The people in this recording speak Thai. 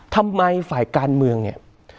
ทำไมฝ่ายการเมืองเนี่ย